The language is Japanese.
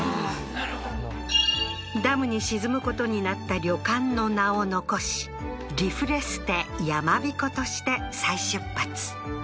なるほどダムに沈むことになった旅館の名を残しリフレステやまびことして再出発